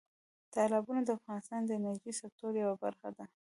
تالابونه د افغانستان د انرژۍ سکتور یوه برخه ده.